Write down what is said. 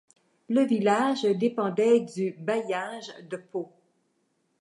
Le village dépendait du bailliage de Pau.